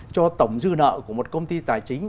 cho tổng dư nợ của một công ty tài chính